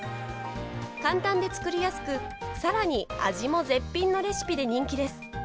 簡単で作りやすく、さらに味も絶品のレシピで人気です。